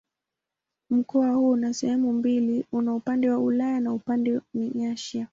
Mkoa huu una sehemu mbili: una upande wa Ulaya na upande ni Asia.